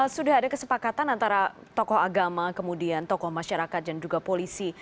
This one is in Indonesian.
sudah ada kesepakatan antara tokoh agama kemudian tokoh masyarakat dan juga polisi